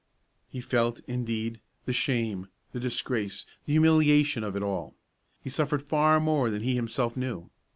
He felt, indeed, the shame, the disgrace, the humiliation of it all; he suffered far more than he himself knew.